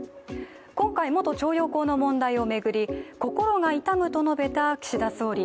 今回、元徴用工の問題を巡り心が痛むと述べた岸田総理。